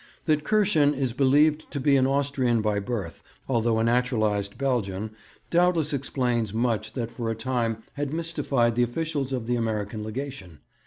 That Kirschen is believed to be an Austrian by birth, although a naturalized Belgian, doubtless explains much that for a time had mystified the officials of the American Legation.